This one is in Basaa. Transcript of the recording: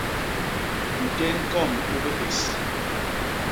Ntén kon u bihés.